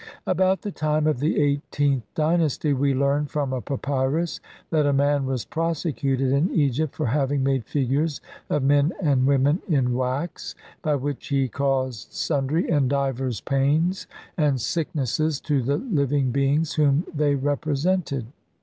About the time of the eighteenth dynasty, we learn from a papyrus 2 that a man was prosecuted in Egypt for having made figures of men and women in wax, by which he caused sundry and divers pains and sicknesses to the living beings whom they represent ed.